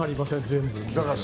全部。